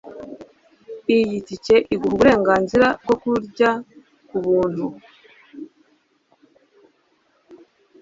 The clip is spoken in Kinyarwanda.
Iyi tike iguha uburenganzira bwo kurya kubuntu.